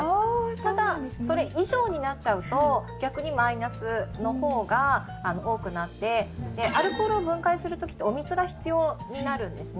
ただ、それ以上になっちゃうと逆にマイナスのほうが多くなってアルコールを分解する時ってお水が必要になるんですね。